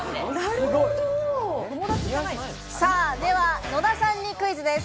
では野田さんにクイズです。